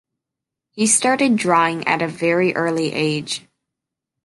He started drawing at a very early age.